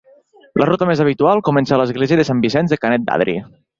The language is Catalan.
La ruta més habitual comença a l'església de Sant Vicenç de Canet d'Adri.